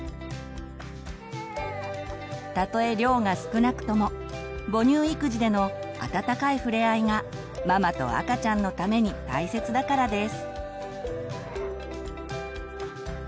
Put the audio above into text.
たとえ量が少なくとも母乳育児でのあたたかいふれあいがママと赤ちゃんのために大切だからです。